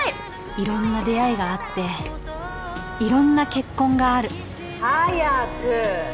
色んな出会いがあって色んな結婚がある早く！